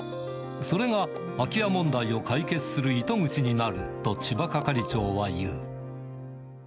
それが、空きや問題を解決する糸口になると、千葉係長は言う。